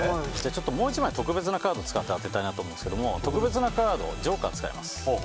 もう１枚特別なカードを使って当てたいなと思うんですが特別なカードジョーカー使います。